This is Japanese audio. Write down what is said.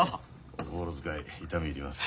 お心遣い痛み入ります。